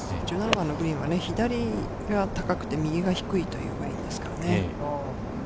１７番のグリーンは、左が高くて、右が低いというラインですからね。